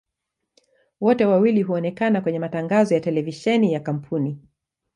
Wote wawili huonekana kwenye matangazo ya televisheni ya kampuni.